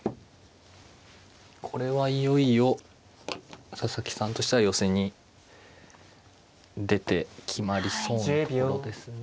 これはいよいよ佐々木さんとしては寄せに出て決まりそうなところですね。